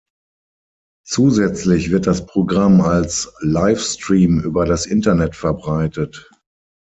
Zusätzlich wird das Programm als Livestream über das Internet verbreitet.